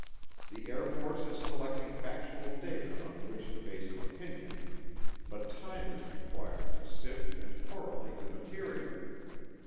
The Air Force is collecting factual data on which to base an opinion, but time is required to sift and correlate the material.